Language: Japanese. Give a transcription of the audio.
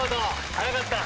早かった。